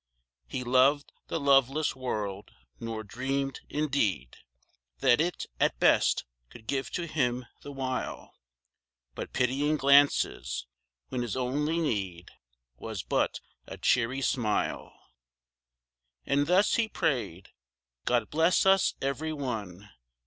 He loved the loveless world, nor dreamed, in deed. That it, at best, could give to him, the while. But pitying glances, when his only need Was but a cheery smile. And thus he prayed, " God bless us every one!"